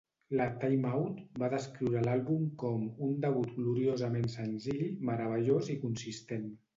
La 'Time Out' va descriure l'àlbum com "un debut gloriosament senzill, meravellós i consistent".